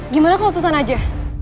gimana kalau susan aja